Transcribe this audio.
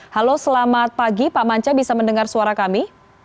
halo selamat pagi pak manca bisa mendengar suara kami